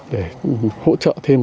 để hỗ trợ thêm